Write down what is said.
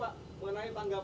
pak kapan kira kira deklarasi